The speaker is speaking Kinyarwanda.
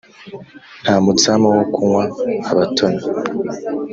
nta mutsama wo kunywa abatoni